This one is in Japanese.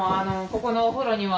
ここのお風呂には